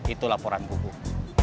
itu laporan gugum